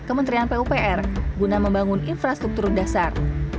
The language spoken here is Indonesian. kementerian pupr guna membangun infrastruktur dasar